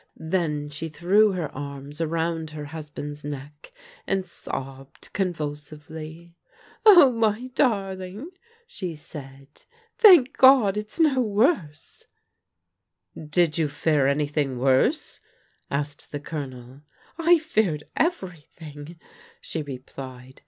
Then she threw her arms arotind her husband's neck and sobbed convulsively. Oh, my darling," she said, " thank God, it's no worse I " Did you fear anything worse ?" asked the Colonel. " I feared everything," she replied.